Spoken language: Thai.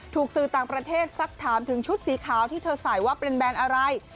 สื่อต่างประเทศสักถามถึงชุดสีขาวที่เธอใส่ว่าเป็นแบรนด์อะไร